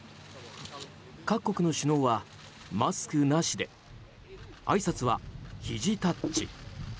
各国の首脳はマスクなしであいさつはひじタッチ。